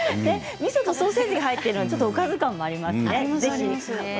みそとソーセージが入っているのはおかず感がありますね。